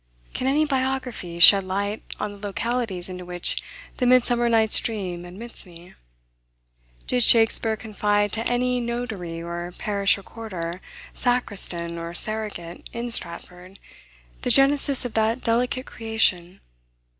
Can any biography shed light on the localities into which the Midsummer Night's Dream admits me? Did Shakspeare confide to any notary or parish recorder, sacristan, or surrogate, in Stratford, the genesis of that delicate creation?